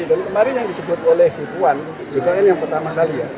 dan kemarin yang disebut oleh bu puan juga kan yang pertama kali ya